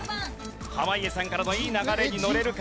濱家さんからのいい流れにのれるか？